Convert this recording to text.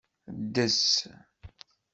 Ddez.